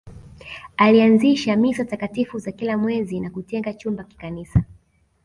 Alianzisha Misa takatifu za kila mwezi na kutenga chumba kikanisa